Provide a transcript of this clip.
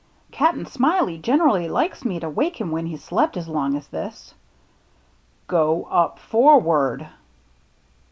" Cap'n Smiley generally likes me to wake him when he's slept as long's this." " Go up forward."